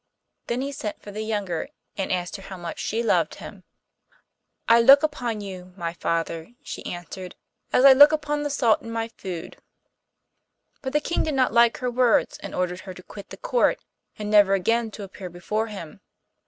Then he sent for the younger, and asked her how much she loved him. 'I look upon you, my father,' she answered, 'as I look upon salt in my food.' But the King did not like her words, and ordered her to quit the court, and never again to appear before him.